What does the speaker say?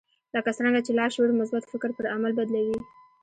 لکه څرنګه چې لاشعور مثبت فکر پر عمل بدلوي.